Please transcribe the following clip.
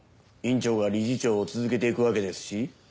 院長が理事長を続けていくわけですし。